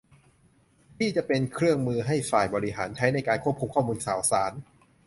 ที่จะเป็นเครื่องมือให้ฝ่ายบริหารใช้ในการควบคุมข้อมูลข่าวสาร